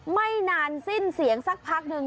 ไม่นานสิ้นเสียงสักพักหนึ่ง